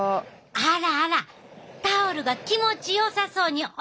あらあらタオルが気持ちよさそうに泳いでるやん！